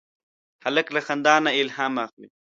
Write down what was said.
هلک له خندا نه الهام اخلي.